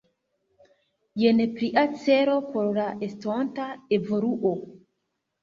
Jen plia celo por la estonta evoluo!